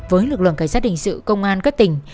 với lực lượng cảnh sát hình sự công an các tỉnh